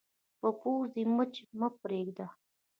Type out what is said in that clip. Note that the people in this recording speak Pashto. په پوزې مچ مه پرېږده